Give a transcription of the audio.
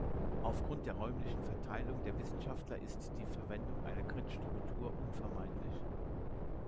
Aufgrund der räumlichen Verteilung der Wissenschaftler ist die Verwendung einer Grid-Struktur unvermeidlich.